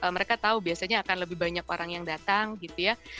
mereka tahu biasanya akan lebih banyak orang yang datang gitu ya